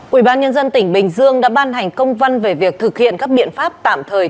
quỹ ban nhân dân tỉnh bình dương đã ban hành công văn về việc thực hiện các biện pháp tạm thời